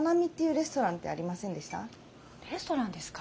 レストランですか？